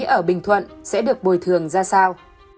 vee linh ngữ hòa bình thuận xin chào kính chào